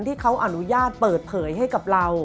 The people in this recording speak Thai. ที่เขาอนุญาตเปิดเผยให้กับเรา